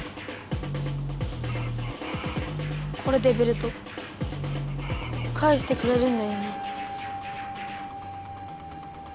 これでベルトかえしてくれるんだよね。